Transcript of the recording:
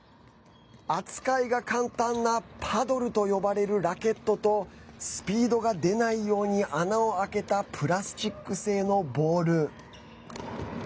扱いが簡単なパドルと呼ばれるラケットとスピードが出ないように穴を開けたプラスチック製のボール。